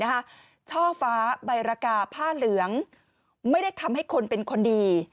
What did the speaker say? ช่อฟ้าใบรกาผ้าเหลืองไม่ได้ทำให้คนเป็นคนดี